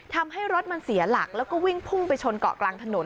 ทำให้รถมันเสียหลักแล้วก็วิ่งพุ่งไปชนเกาะกลางถนน